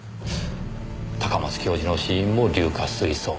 高松教授の死因も硫化水素。